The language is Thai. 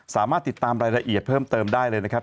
สามารถติดตามรายละเอียดเพิ่มเติมได้เลยนะครับ